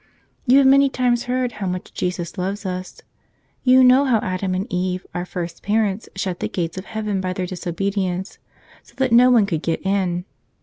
You have many times heard how much Jesus loves us. You know how Adam and Eve, our first parents, shut the gates of heaven by their disobedience, so that no one could get in.